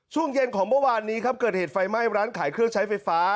ช่วงเย็นของเมื่อวานนี้ครับเกิดเหตุไฟไหม้ร้านขายเครื่องใช้ไฟฟ้า